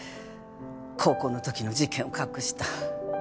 高校のときの事件を隠した。